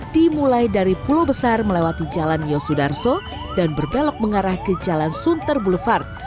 dimulai dari pulau besar melewati jalan yosudarso dan berbelok mengarah ke jalan sunter boulevard